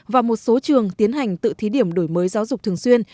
và một số trường tiến hành tự thí điểm đổi mới giáo dục thường xuyên